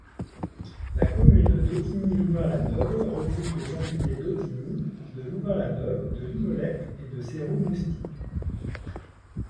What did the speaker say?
La commune d'Ottignies-Louvain-la-Neuve regroupe les entités d'Ottignies, de Louvain-la-Neuve, de Limelette et de Céroux-Mousty.